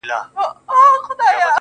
که ټوله ژوند په تنهايۍ کي تېر کړم,